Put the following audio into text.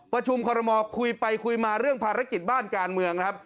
ประชุมคอรมอลคุยไปคุยมาเรื่องภารกิจบ้านการเมืองครับ